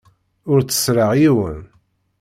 Ur tteṣṣreɣ yiwen.